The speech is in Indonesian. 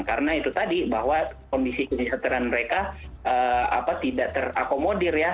karena itu tadi bahwa kondisi kemiskinan mereka tidak terakomodir ya